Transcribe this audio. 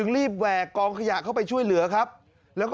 รีบแหวะก้องขยะเข้าไปช่วยเหลือ